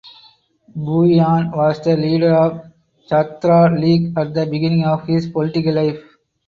Bhuiyan was the leader of Chhatra League at the beginning of his political life.